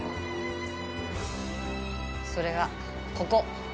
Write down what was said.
それがここ。